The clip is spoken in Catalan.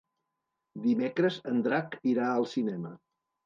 Dimecres en Drac irà al cinema.